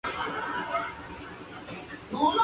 El juego se encarga de sí mismo.